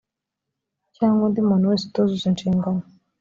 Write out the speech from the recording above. cyangwa undi muntu wese utuzuza inshingano